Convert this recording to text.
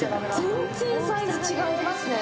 全然サイズ違いますね。